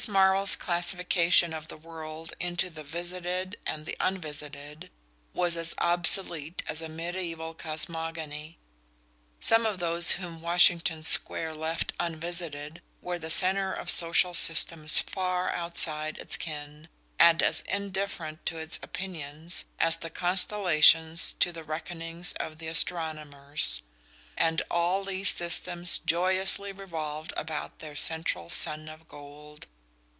Marvell's classification of the world into the visited and the unvisited was as obsolete as a mediaeval cosmogony. Some of those whom Washington Square left unvisited were the centre of social systems far outside its ken, and as indifferent to its opinions as the constellations to the reckonings of the astronomers; and all these systems joyously revolved about their central sun of gold.